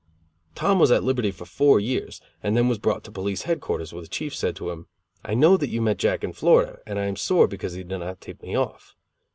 Tom was at liberty for four years, and then was brought to police headquarters where the chief said to him: "I know that you met Jack in Florida, and I am sore because he did not tip me off."